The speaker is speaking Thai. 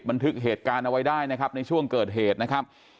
บันทึกเหตุการณ์เอาไว้ได้นะครับในช่วงเกิดเหตุนะครับ